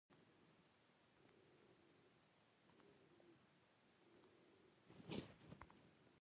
خاص تاثیر نه لري.